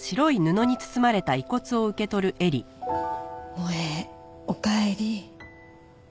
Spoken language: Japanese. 萌絵おかえり。